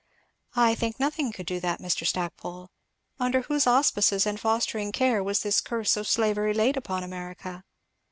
"I think nothing could do that, Mr. Stackpole. Under whose auspices and fostering care was this curse of slavery laid upon America?"